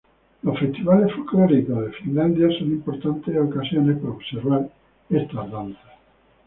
Los festivales folclóricos de Finlandia son importantes ocasiones para observar estas danzas.